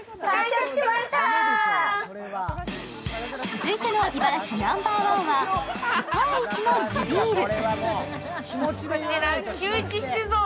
続いての茨城ナンバーワンは世界一の地ビール。